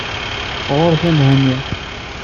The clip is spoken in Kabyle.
Ɣur-k a Mhenni.